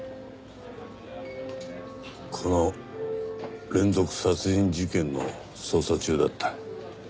この連続殺人事件の捜査中だった。